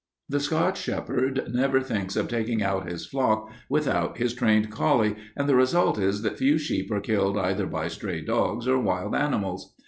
The Scotch shepherd never thinks of taking out his flock without his trained collie, and the result is that few sheep are killed either by stray dogs or wild animals.